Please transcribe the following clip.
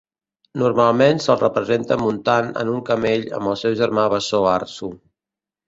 Normalment se'l representa muntat en un camell amb el seu germà bessó Arsu.